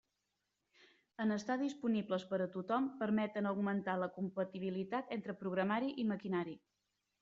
En estar disponibles per a tothom permeten augmentar la compatibilitat entre programari i maquinari.